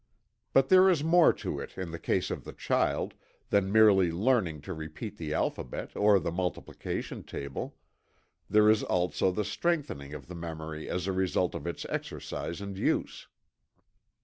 But there is more to it, in the case of the child, than merely learning to repeat the alphabet or the multiplication table there is also the strengthening of the memory as a result of its exercise and use.